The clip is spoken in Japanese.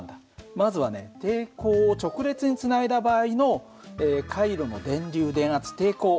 まずはね抵抗を直列につないだ場合の回路の電流電圧抵抗